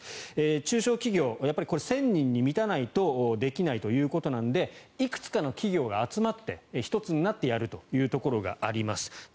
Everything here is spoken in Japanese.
中小企業、これは１０００人に満たないとできないということなのでいくつかの企業が集まって１つになってやるというところがあります。